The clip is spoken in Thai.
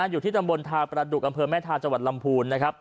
อยู่ที่ตำบลทาประดุกอำเภอแม่ทาจังหวัดลำพูนนะครับ